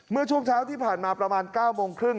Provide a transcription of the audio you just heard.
เมื่อช่วงเช้าที่ผ่านมาประมาณ๙โมงครึ่ง